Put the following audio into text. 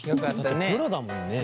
だってプロだもんね。